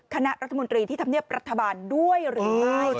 คณะรัฐมนตรีที่ทำเนียบรัฐบาลด้วยหรือไม่